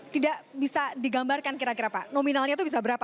tidak bisa digambarkan kira kira pak nominalnya itu bisa berapa